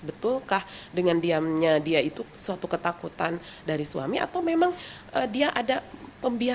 betulkah dengan diamnya dia itu suatu ketakutan dari suami atau memang dia ada pembiayaan